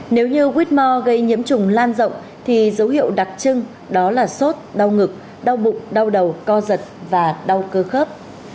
nếu như quýt mò gây nhiễm trùng lan rộng thì dấu hiệu đặc trưng đó là sốt đau ngực đau bụng đau đầu co giật và đau cơ khớp